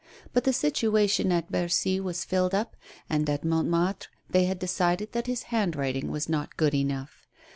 But the situation at Bercy was filled up, and at Montmartre they had decided that his handwriting was not good enough.